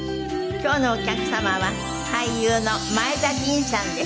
今日のお客様は俳優の前田吟さんです。